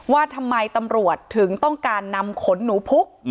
ว่าทำไมตำรวจถึงต้องการนำขนหนูพุก